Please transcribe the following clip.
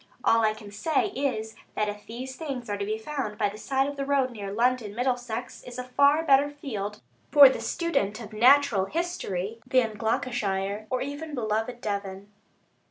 All I can say is, that if these things are to be found by the side of the road near London, Middlesex is a far better field for the student of natural history than Gloucestershire, or even beloved Devon.